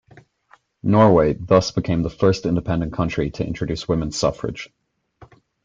Norway thus became the first independent country to introduce women's suffrage.